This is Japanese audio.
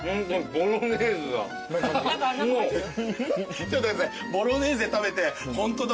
ボロネーズ食べて。